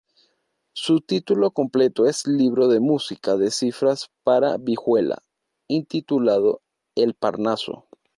Su título completo es Libro de música de cifras para vihuela, intitulado El Parnaso.